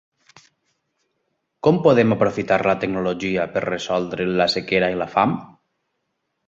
Com podem aprofitar la tecnologia per resoldre la sequera i la fam?